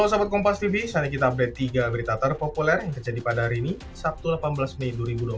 halo sahabat kompas tv saya kita update tiga berita terpopuler yang terjadi pada hari ini sabtu delapan belas mei